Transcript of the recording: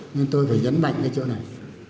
nên tôi phải nhấn mạnh cái chỗ này